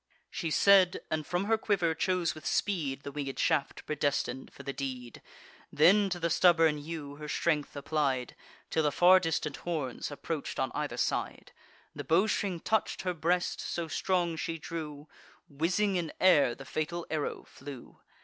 She said, and from her quiver chose with speed The winged shaft, predestin'd for the deed; Then to the stubborn yew her strength applied, Till the far distant horns approach'd on either side. The bowstring touch'd her breast, so strong she drew; Whizzing in air the fatal arrow flew.